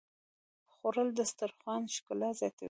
خوړل د دسترخوان ښکلا زیاتوي